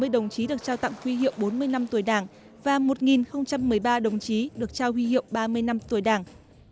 năm mươi đồng chí được trao tặng huy hiệu bốn mươi năm tuổi đảng và một một mươi ba đồng chí được trao huy hiệu ba mươi năm tuổi đảng